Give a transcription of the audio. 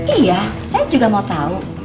iya saya juga mau tahu